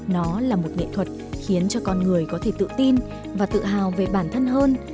nó là một nghệ thuật khiến cho con người có thể tự tin và tự hào về bản thân hơn